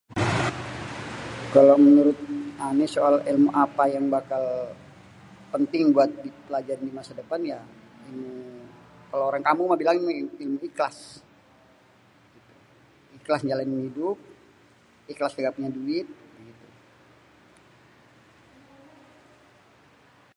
kalo menurut ané soal èlmu apa yang bakal, penting buat kita pelajari dimasa depan ya, kalo orang kampung mah bilangnya ilmu ikhlas, ikhlas mènjalani hidup, ikhlas kaga punya duit.